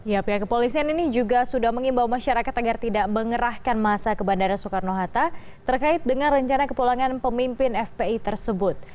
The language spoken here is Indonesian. ya pihak kepolisian ini juga sudah mengimbau masyarakat agar tidak mengerahkan masa ke bandara soekarno hatta terkait dengan rencana kepulangan pemimpin fpi tersebut